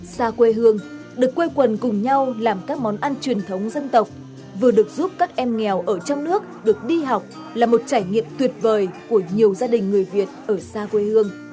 xa quê hương được quê quần cùng nhau làm các món ăn truyền thống dân tộc vừa được giúp các em nghèo ở trong nước được đi học là một trải nghiệm tuyệt vời của nhiều gia đình người việt ở xa quê hương